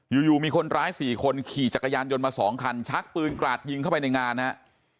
อยู่มีคนร้าย๔คนขี่จักรยานยนต์มา๒คันชักปืนกราดยิงเข้าไปในงานนะครับ